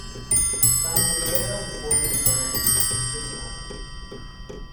Bandelier was born in Bern, Switzerland.